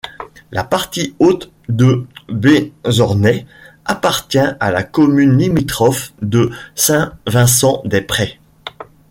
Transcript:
La partie haute de Bezornay appartient à la commune limitrophe de Saint-Vincent-des-Prés.